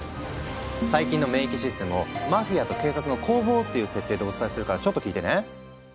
細菌の免疫システムをマフィアと警察の攻防っていう設定でお伝えするからちょっと聞いてね。